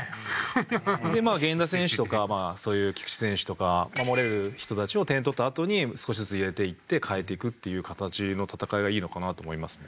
でまあ源田選手とかそういう菊池選手とか守れる人たちを点取ったあとに少しずつ入れていって変えていくっていう形の戦いがいいのかなと思いますね。